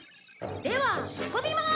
「では運びます」